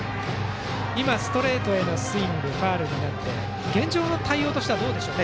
ストレートへのスイングがファウルになって現状の対応としてはどうでしょう。